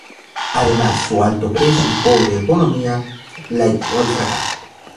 Además su alto precio y pobre ergonomía la llevó al fracaso.